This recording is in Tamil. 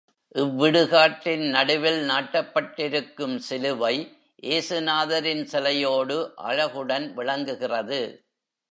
இவ்விடுகாட்டின் நடுவில் நாட்டப்பட்டிருக்கும் சிலுவை, ஏசு நாதரின் சிலையோடு அழகுடன் விளங்குகிறது.